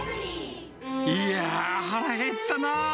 いやー、腹減ったなー。